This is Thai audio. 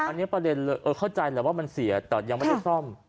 อันนี้ประเด็นเข้าใจแหละว่ามันเสียแต่ยังไม่ได้ซ่อม